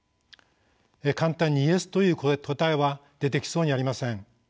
簡単にイエスという答えは出てきそうにありません。